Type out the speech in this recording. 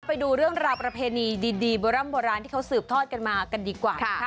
ไปดูเรื่องราวประเพณีดีโบร่ำโบราณที่เขาสืบทอดกันมากันดีกว่า